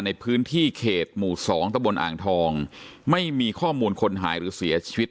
ในพื้นที่เขตหมู่สองตะบนอ่างทองไม่มีข้อมูลคนหายหรือเสียชีวิต